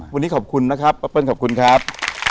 วันนี้ขอบคุณนะครับป้าเปิ้ลขอบคุณครับ